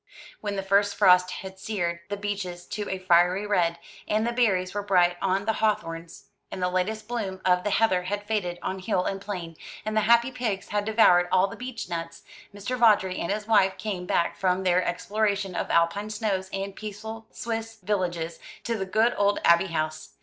When the first frosts had seared the beeches to a fiery red, and the berries were bright on the hawthorns, and the latest bloom of the heather had faded on hill and plain, and the happy pigs had devoured all the beech nuts, Mr. Vawdrey and his wife came back from their exploration of Alpine snows and peaceful Swiss villages, to the good old Abbey House.